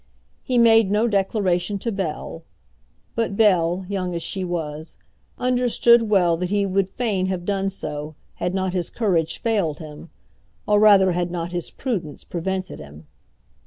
He made no declaration to Bell; but Bell, young as she was, understood well that he would fain have done so, had not his courage failed him, or rather had not his prudence prevented him.